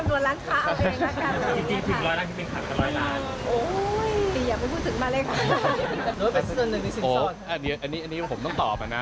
โอ๊ยอย่าไปประเมินมาเลยค่ะนับจำนวนร้านค้าเอาไว้นับกันเลยค่ะโอ๊ยอย่าไปพูดถึงมาเลยค่ะ